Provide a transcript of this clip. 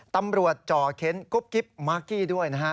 จ่อเค้นกุ๊บกิ๊บมากกี้ด้วยนะฮะ